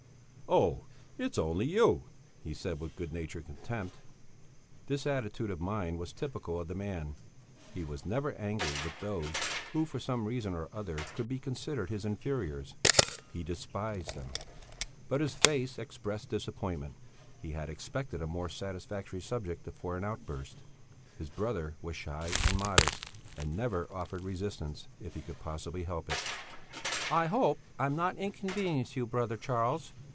"Oh, it's only you?" he said with good natured contempt. This attitude of mind was typical of the man; he was never angry with those who for some reason or other could be considered his inferiors; he despised them. But his face expressed disappointment; he had expected a more satisfactory subject for an outburst; his brother was shy and modest, and never offered resistance if he could possibly help it. "I hope I'm not inconveniencing you, brother Charles?"